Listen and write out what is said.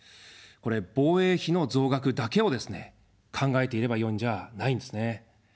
これ、防衛費の増額だけをですね、考えていればよいんじゃないんですね。